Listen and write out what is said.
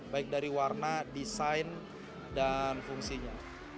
baik dari warna desain dan fungsinya